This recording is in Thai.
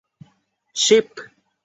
ขอโทษหรือไม่นี่ไม่จำเป็นเลย